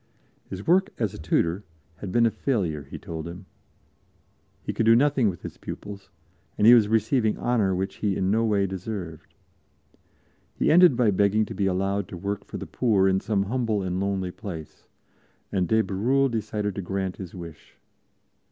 His work as a tutor had been a failure, he told him; he could do nothing with his pupils, and he was receiving honor which he in no way deserved. He ended by begging to be allowed to work for the poor in some humble and lonely place, and de Bérulle decided to grant his wish.